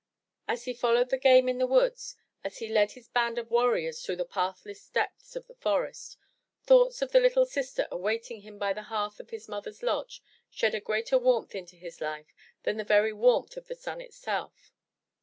As he followed the game in the woods, as he led his band of war riors through the pathless depths of the forest, thoughts of the little sister awaiting him by the hearth in his mother's lodge, shed a greater warmth into his life than the very warmth of the sun itself.